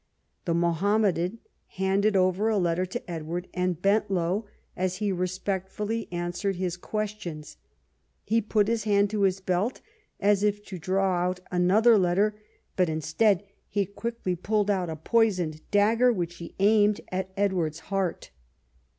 The Mohammedan handed over a letter to Edward and bent low as he respectfully answered his questions. He put his hand to his belt as if to draw out another letter, but instead he quickly pulled out a poisoned dagger, which he aimed at Edward's heart.